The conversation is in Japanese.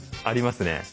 ありますね。